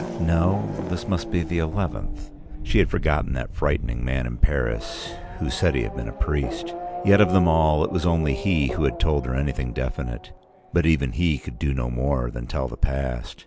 No, this must be the eleventh. She had forgotten that frightening man in Paris who said he had been a priest. Yet of them all it was only he who had told her anything definite. But even he could do no more than tell the past.